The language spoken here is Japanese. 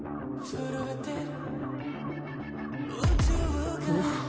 「震えてる」